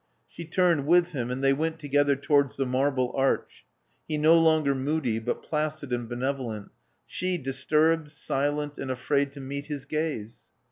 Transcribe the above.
She turned with him; and they went together towards the Marble Arch : he no longer moody, but placid and benevolent: she disturbed, silent, and afraid to meet his gaze.